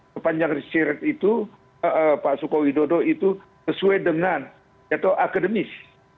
sepanjang riset itu pak sukowidodo itu sesuai dengan atau akademis